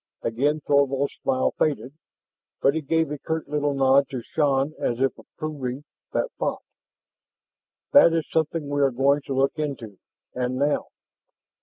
Again Thorvald's smile faded, but he gave a curt little nod to Shann as if approving that thought. "That is something we are going to look into, and now!